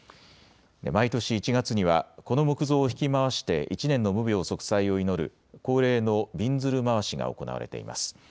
毎年１月にはこの木像を引き回して１年の無病息災を祈る恒例のびんずる廻しが行われています。